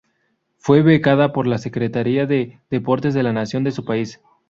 Fue becada por la Secretaría de Deportes de la Nación de su país.